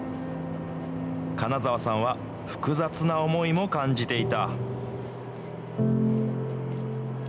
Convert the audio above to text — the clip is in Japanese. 金澤さんは複雑な思いも感じていた。